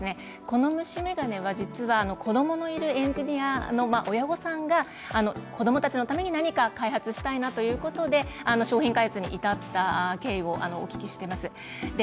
この虫めがねは実は子供のいるエンジニアの親御さんが子供たちのために何か開発したいなということで商品開発に至った経緯をお聞きしています。